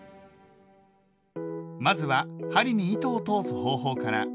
まずは針に糸を通す方法から。